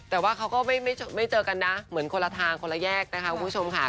แต่ว่าเขาก็ไม่เจอกันนะเหมือนคนละทางคนละแยกนะคะคุณผู้ชมค่ะ